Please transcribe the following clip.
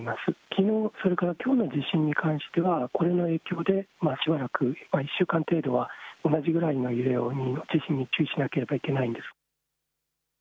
きのう、それからきょうの地震に関してはこれの影響でしばらく１週間程度は同じぐらいの揺れの地震に注意しなければいけないです。